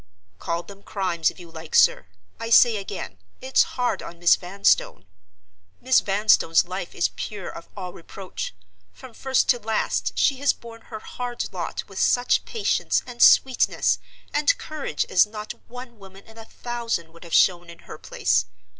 "Call them crimes if you like, sir—I say again, it's hard on Miss Vanstone. Miss Vanstone's life is pure of all reproach. From first to last she has borne her hard lot with such patience, and sweetness, and courage as not one woman in a thousand would have shown in her place.